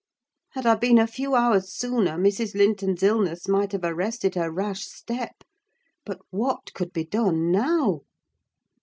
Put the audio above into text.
Had I been a few hours sooner Mrs. Linton's illness might have arrested her rash step. But what could be done now?